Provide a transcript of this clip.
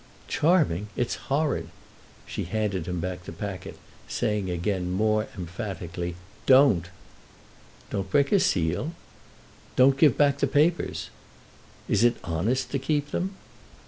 "Charming? It's horrid." She handed him back the packet, saying again more emphatically "Don't!" "Don't break a seal?" "Don't give back the papers." "Is it honest to keep them?"